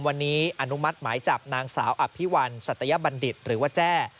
วันนี้อนุมัติหมายจับนางสาวอภิวัลสัตยบัณฑิตหรือว่าแจ้